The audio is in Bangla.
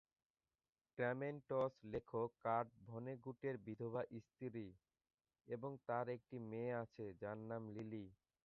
ক্রেমেন্টজ লেখক কার্ট ভনেগুটের বিধবা স্ত্রী এবং তার একটি মেয়ে আছে, যার নাম লিলি।